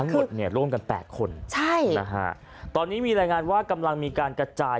หมดเนี่ยร่วมกันแปดคนใช่นะฮะตอนนี้มีรายงานว่ากำลังมีการกระจาย